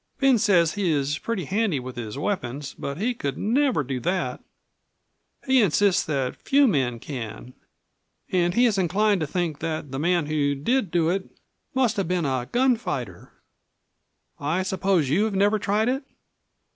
Ben says he is pretty handy with his weapons, but he could never do that. He insists that few men can, and he is inclined to think that the man who did do it must have been a gunfighter. I suppose you have never tried it?"